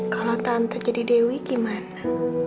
kalau tante jadi dewi gimana